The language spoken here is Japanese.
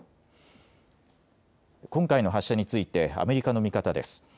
今回の発射についてアメリカの見方です。